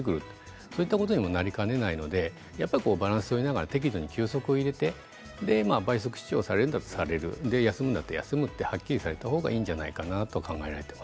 そういったことにもなりかねないので、やっぱりバランスを見ながら適度に休息を入れて倍速視聴されるんだったらされる休むんだったら休むとはっきりされた方がいいんじゃないかと考えています。